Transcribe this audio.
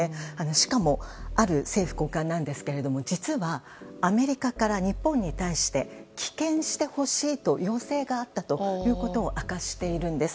しかも、ある政府高官なんですが実は、アメリカから日本に対して棄権してほしいと要請があったということを明かしているんです。